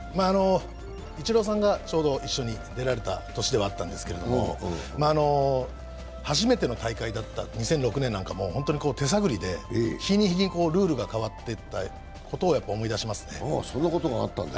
イチローさんが一緒に出られた年ではあったんですけど初めての大会だった２００６年なんかも本当に手探りで、日に日にルールが変わっていったことを思い出しますね。